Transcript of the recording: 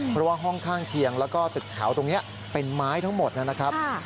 เพราะว่าห้องข้างเคียงแล้วก็ตึกแถวตรงนี้เป็นไม้ทั้งหมดนะครับ